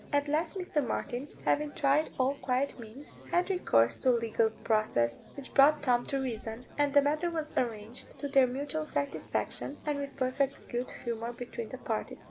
At last Mr. Martin, having tried all quiet means, had recourse to a legal process, which brought Tom to reason, and the matter was arranged to their mutual satisfaction, and with perfect good humour between the parties.